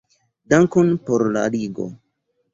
Dankon por la ligo.